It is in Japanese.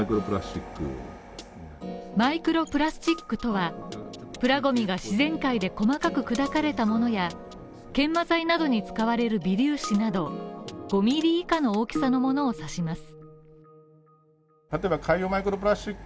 マイクロプラスチックとはプラゴミが自然界で細かく砕かれたものや研磨剤などに使われる微粒子など、５ミリ以下の大きさのものを指します。